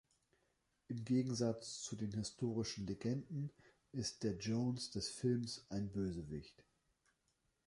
Im Gegensatz zu den historischen Legenden ist der Jones des Films ein Bösewicht.